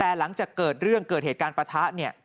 แต่หลังจากเกิดเรื่องเกิดเหตุการณ์ประทะเนี่ย